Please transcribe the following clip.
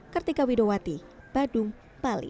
kartika widowati badung bali